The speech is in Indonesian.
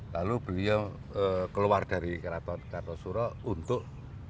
lalu beliau keluar dari keraton kartosuro untuk